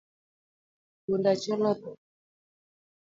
Punda achiel otho